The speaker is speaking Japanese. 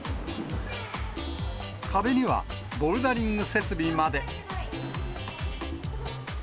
壁にはボルダリング設備まで。